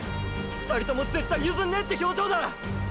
２人とも絶対ゆずんねぇって表情だ！！